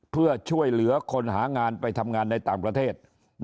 เพื่อช่วยเหลือคนหางานไปทำงานในต่างประเทศ